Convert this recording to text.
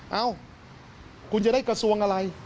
เอ้าคุณจะได้กระทรวงอะไร